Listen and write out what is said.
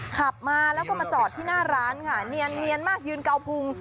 ขับมาแล้วก็มาจอดที่หน้าร้านค่ะเนียนมากยืนเกาพุง